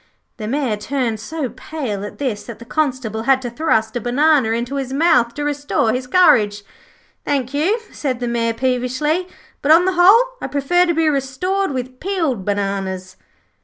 The Mayor turned so pale at this that the Constable had to thrust a banana into his mouth to restore his courage. 'Thank you,' said the Mayor, peevishly; 'but, on the whole, I prefer to be restored with peeled bananas.'